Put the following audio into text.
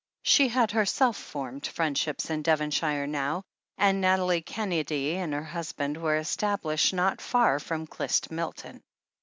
She had herself formed friendships in Devonshire now, and Nathalie Kennedy and her husband were es tablished not far from Clyst Milton.